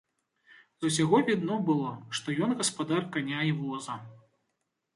З усяго відно было, што ён гаспадар каня і воза.